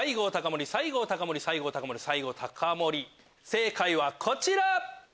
正解はこちら！